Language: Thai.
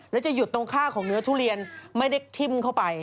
แล้วจะหยุดตรงค่าของเนื้อทุเรียนไม่ได้ทิ้มเข้าไป